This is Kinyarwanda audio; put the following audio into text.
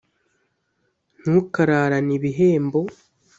ntukararane ibihembo